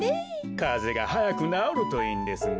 かぜがはやくなおるといいんですが。